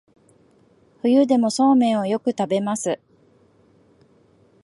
冬でもそうめんをよく食べます